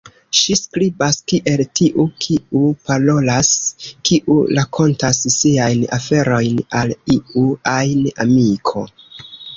Ŝi skribas kiel tiu kiu parolas, kiu rakontas siajn aferojn al iu ajn amiko.